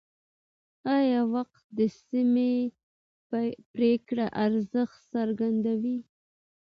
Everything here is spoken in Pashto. وخت د سمې پرېکړې ارزښت څرګندوي